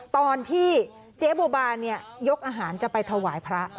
ตอนที่เจ๊บัวบานยกอาหารจะไปถวายพระ